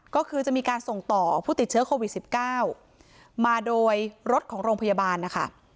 ก็คือจะมีการส่งต่อผู้ติดเชื้อโควิด๑๙มาโดยรถของโรงพยาบาลนะคะ